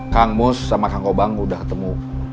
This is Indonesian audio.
kang mus sama kang obang udah ketemu